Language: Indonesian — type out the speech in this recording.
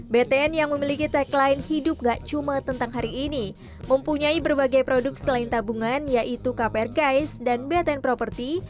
btn yang memiliki tagline hidup gak cuma tentang hari ini mempunyai berbagai produk selain tabungan yaitu kpr guys dan btn property